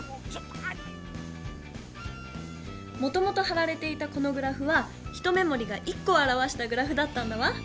もともとはられていたこのグラフは一目もりが１こをあらわしたグラフだったんだわ。